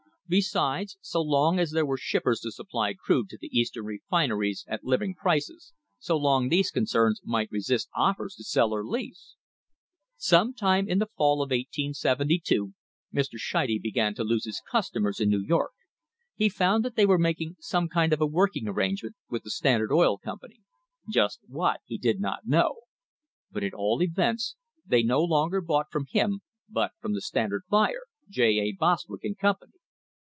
Besides, so long as there were shippers to supply crude to the Eastern refineries at living prices, so long these concerns might resist offers to sell or lease. Some time in the fall of 1872 Mr. Scheide began to lose his customers in New York. He found that they were making ime kind of a working arrangement with the Standard Oil ompany, just what he did not know. But at all events they ) longer bought from him but from the Standard buyer, A. Bostwick and Company.